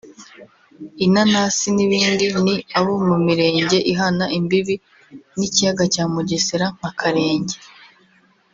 inanasi n’ibindi ni abo mu mirenge ihana imbibi n’ikiyaga cya Mugesera nka Karenge